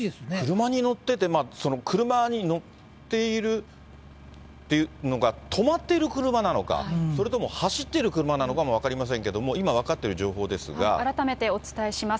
車に乗ってて、車に乗っているというのが止まっている車なのか、それとも走っている車なのかも分かりませんけども、改めてお伝えします。